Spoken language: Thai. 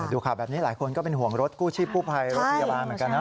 ดูข่าวแบบนี้หลายคนก็เป็นห่วงรถกู้ชีพกู้ภัยรถพยาบาลเหมือนกันนะ